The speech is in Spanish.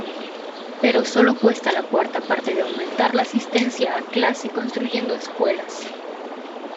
Pero solo cuesta la cuarta parte de aumentar la asistencia a clase construyendo escuelas.